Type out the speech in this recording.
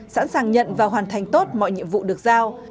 sẵn sàng nhận và hoàn thành tốt mọi nhiệm vụ được giao